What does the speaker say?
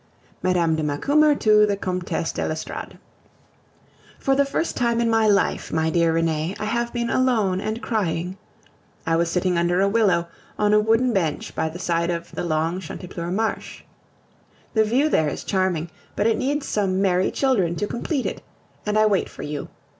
MME. DE MACUMER TO THE COMTESSE DE L'ESTORADE For the first time in my life, my dear Renee, I have been alone and crying. I was sitting under a willow, on a wooden bench by the side of the long Chantepleurs marsh. The view there is charming, but it needs some merry children to complete it, and I wait for you.